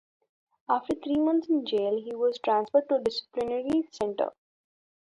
After three months in jail he was transferred to a disciplinary centre.